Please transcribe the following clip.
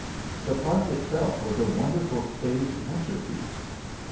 The Park itself was a wonderful stage winter piece.